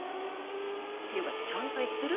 ていうかちゃんと言ってる？